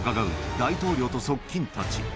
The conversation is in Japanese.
大統領と側近たち。